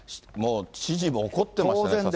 もう知事も怒ってましたね。